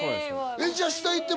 じゃあ下行って